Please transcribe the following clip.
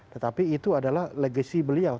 tetapi itu adalah legacy beliau